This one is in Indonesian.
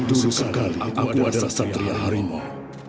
dulu sekali aku adalah satria harimau